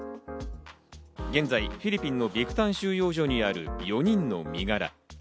現在、フィリピンのビクタン収容所にある４人の身柄。